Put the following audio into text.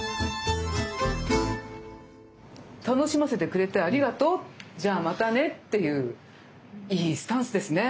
楽しませてくれてありがとうじゃあまたねっていういいスタンスですね。